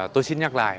tôi xin nhắc lại